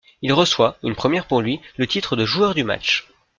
Il reçoit, une première pour lui, le titre de Joueur du match.